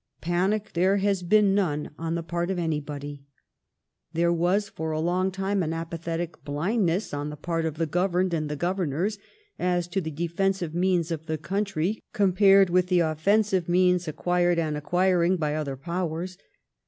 Panic there has been none on the part of anybody. There was for a long tune an apathetic blindness on the part of the goyemed and the goyemors as to the defensiye means of the conntry compared with the offensiye means acquired and acquiring by other Powers.